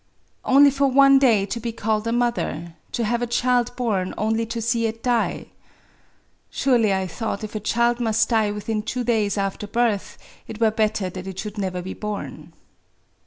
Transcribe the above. Only for one day to be called a mother !— to have a child born only to see it die !... Surely, I thought, if a child must die within two days after birth, it were better that it should never be born.